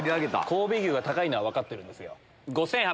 神戸牛が高いのは分かってるんですよ。